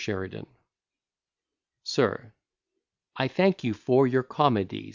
SHERIDAN Sir, I thank you for your comedies.